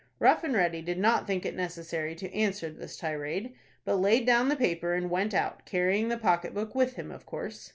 Rough and Ready did not think it necessary to answer this tirade, but laid down the paper and went out, carrying the pocket book with him, of course.